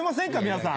皆さん。